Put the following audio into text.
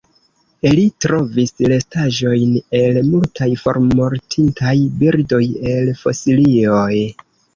Li trovis restaĵojn el multaj formortintaj birdoj el fosilioj.